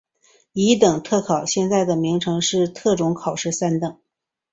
乙等特考现在的名称是特种考试三等。